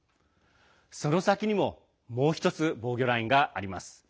その先にももう１つ防御ラインがあります。